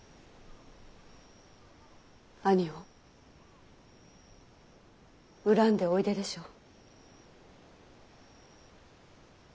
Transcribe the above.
兄を恨んでおいででしょう。